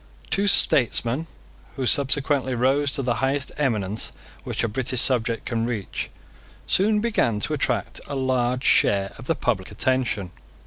Two statesmen, who subsequently rose to the highest eminence which a British subject can reach, soon began to attract a large share of the public attention.